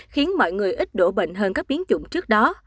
khiến mọi người ít đổ bệnh hơn các biến chủng trước đó